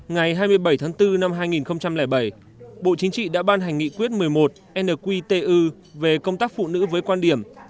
ngày hai mươi bảy tháng bốn năm hai nghìn bảy bộ chính trị đã ban hành nghị quyết một mươi một nqtu về công tác phụ nữ với quan điểm